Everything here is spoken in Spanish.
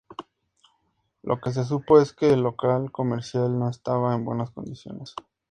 Lo que se supo es que el local comercial no estaba en buenas condiciones.